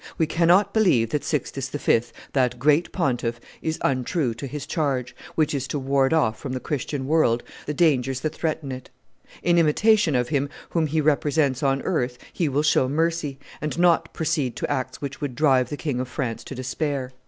We cannot believe that Sixtus V., that great pontiff, is untrue to his charge, which is to ward off from the Christian world the dangers that threaten it; in imitation of Him whom he represents on earth, he will show mercy, and not proceed to acts which would drive the King of France to despair."